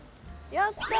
やったー！